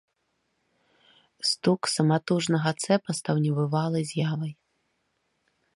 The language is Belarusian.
Стук саматужнага цэпа стаў небывалай з'явай.